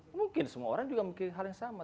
mungkin semua orang juga memiliki hal yang sama